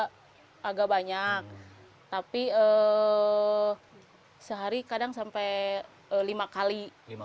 akan mungkin porsinya agak banyak tapi sehari kadang sampai lima kali